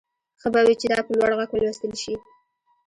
ښه به وي چې دا په لوړ غږ ولوستل شي